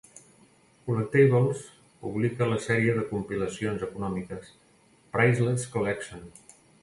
Collectables publica la sèrie de compilacions econòmiques "Priceless Collection".